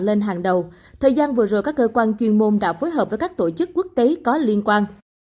trong thời gian vừa rồi các cơ quan chuyên môn đã phối hợp với các tổ chức quốc tế có liên quan